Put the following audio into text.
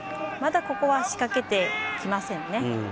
またここは仕掛けてきませんね。